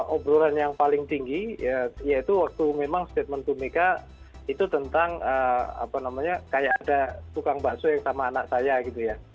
obrolan yang paling tinggi yaitu waktu memang statement bumika itu tentang apa namanya kayak ada tukang bakso yang sama anak saya gitu ya